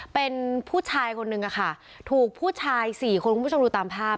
เป็นผู้ชายคนนึงค่ะถูกผู้ชายสี่คนคุณผู้ชมดูตามภาพ